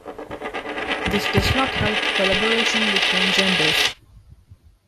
This does not help collaboration between genders.